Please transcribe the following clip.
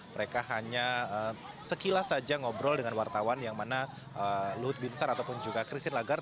mereka hanya sekilas saja ngobrol dengan wartawan yang mana luhut binsar ataupun juga christine lagarde